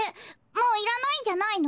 もういらないんじゃないの？